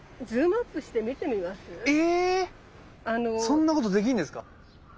そんなことできるんですか！？